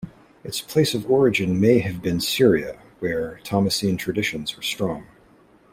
Its place of origin may have been Syria, where Thomasine traditions were strong.